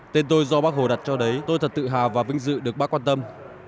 tên tôi do bác hồ đặt cho đấy tôi thật tự hào và vinh dự được bác quan tâm